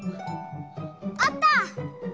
あった！